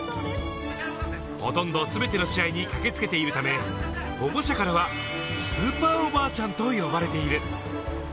ほとんどすべての試合に駆けつけているため、保護者からは、スーパーおばあちゃんと呼ばれている。